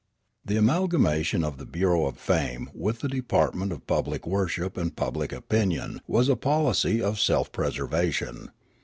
The amalgamation of the Bureau of Fame with the department of public worship and public opinion was a policy of self preservation.